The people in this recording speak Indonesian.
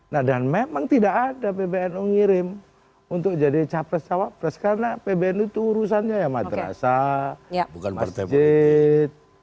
nah dan memang tidak ada pbnu ngirim untuk jadi capres cawapres karena pbnu itu urusannya ya madrasah masjid